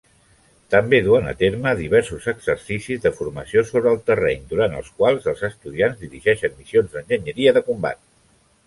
També duen a terme diversos exercicis de formació sobre el terreny, durant els quals els estudiants dirigeixen missions d'enginyeria de combat.